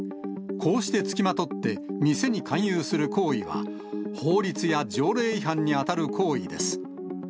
こうして付きまとって店に勧誘する行為は、法律や条例違反に当たる行為です。